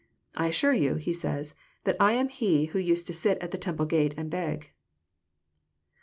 <' I assure you," he says, '* that I am he who used to sit at the temple gate and beg.*' 10.